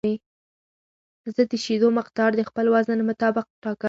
زه د شیدو مقدار د خپل وزن مطابق ټاکم.